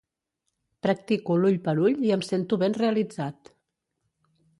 Practico l'ull per ull i em sento ben realitzat.